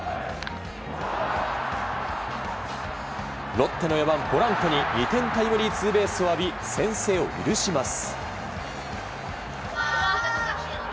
ロッテの４番、ポランコに２点タイムリーツーベースを浴び先制を許します。